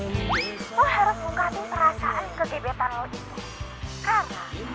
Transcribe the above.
lo harus mengganti perasaan kegebetan lo itu